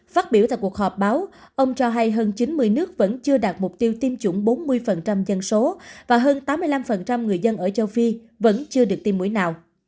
phát biểu tại cuộc họp báo ông cho hay hơn chín mươi nước vẫn chưa đạt mục tiêu tiêm chủng bốn mươi dân số và hơn tám mươi năm người dân ở châu phi vẫn chưa được tiêm mũi nào